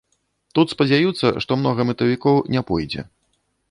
Тут спадзяюцца, што многа мэтавікоў не пойдзе.